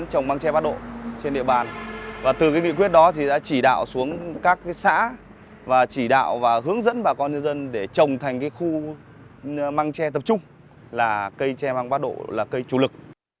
hướng các xã và chỉ đạo và hướng dẫn bà con nhân dân để trồng thành khu măng tre tập trung là cây tre bắt độ là cây chủ lực